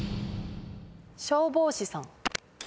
消防士さん。